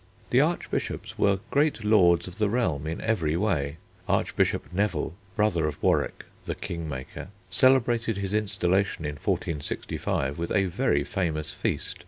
The Archbishops were great lords of the realm in every way. Archbishop Neville, brother of Warwick "the king maker," celebrated his installation in 1465 with a very famous feast.